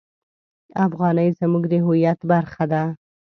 افغانۍ زموږ د هویت برخه ده.